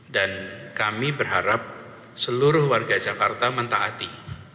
dan kami berharap seluruh warga jakarta mentaati